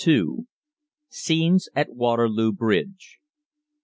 SCENES AT WATERLOO BRIDGE.